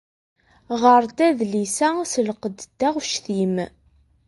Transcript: Ɣeṛ-d adlis-a s lqedd n taɣect-im.